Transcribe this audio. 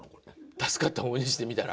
助かった方にしてみたら？